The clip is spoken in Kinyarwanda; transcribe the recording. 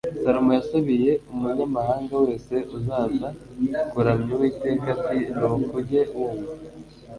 salomo yasabiye umunyamahanga wese uzaza kuramya uwiteka ati nuko ujye wumva